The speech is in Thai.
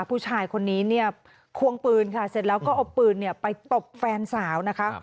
ผู้ชายคนนี้เนี่ยควงปืนค่ะเสร็จแล้วก็เอาปืนไปตบแฟนสาวนะคะ